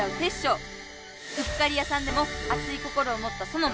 「『う』っかりやさんでもあつい心をもったソノ『マ』」！